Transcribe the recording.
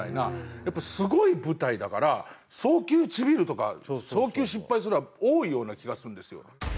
やっぱすごい舞台だから送球ちびるとか送球失敗するのは多いような気がするんですよ。